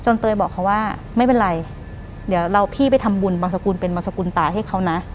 เตยบอกเขาว่าไม่เป็นไรเดี๋ยวเราพี่ไปทำบุญบางสกุลเป็นบางสกุลตายให้เขานะ